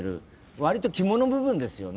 わりと肝の部分ですよね。